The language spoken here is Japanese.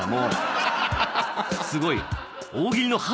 すごい。